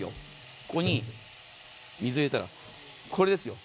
これに水を入れたらこれですよ。